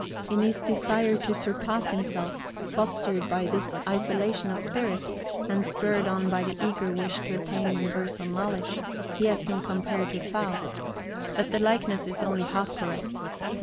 In his desire to surpass himself, fostered by this isolation of spirit and spurred on by the eager wish to attain universal knowledge, he has been compared to Faust; but the likeness is only half correct.